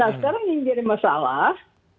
sekarang ini jadi masalah